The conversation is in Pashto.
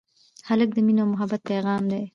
هلک د مینې او محبت پېغام دی.